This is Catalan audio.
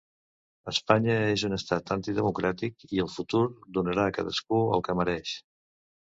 Espanya és un estat antidemocràtic i el futur donarà a cadascú el que mereix.